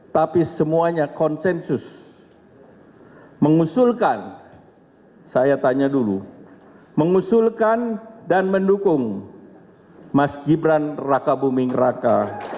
tapi semuanya konsensus mengusulkan saya tanya dulu mengusulkan dan mendukung mas gibran raka buming raka